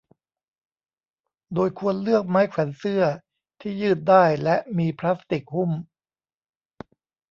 โดยควรเลือกไม้แขวนเสื้อที่ยืดได้และมีพลาสติกหุ้ม